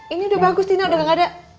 ini udah bagus tina udah gak ada